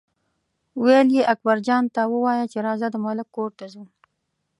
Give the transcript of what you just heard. ویل یې اکبرجان ته ووایه چې راځه د ملک کور ته ځو.